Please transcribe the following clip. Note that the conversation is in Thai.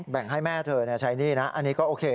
แบ่งให้แม่เธอใช้หนี้นะอันนี้ก็โอเค